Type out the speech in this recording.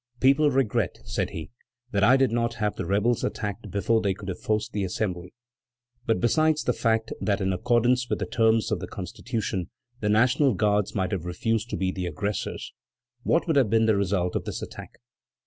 "People regret," said he, "that I did not have the rebels attacked before they could have forced the Assembly; but besides the fact that in accordance with the terms of the Constitution, the National Guards might have refused to be the aggressors, what would have been the result of this attack?